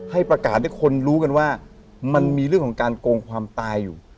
ให้ประกาศให้คนรู้กันว่ามันมีเรื่องของการโกงความตายอยู่